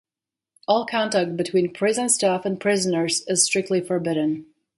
All contact between prison staff and prisoners is strictly forbidden.